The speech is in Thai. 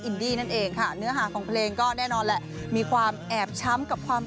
ดี้นั่นเองค่ะเนื้อหาของเพลงก็แน่นอนแหละมีความแอบช้ำกับความ